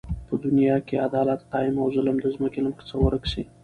په دنیا کی عدالت قایم او ظلم د ځمکی له مخ څخه ورک سی